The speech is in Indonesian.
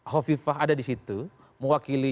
hovifah ada di situ mewakili